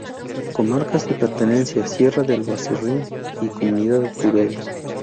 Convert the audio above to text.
Comarcas de pertenencia: Sierra de Albarracín y Comunidad de Teruel.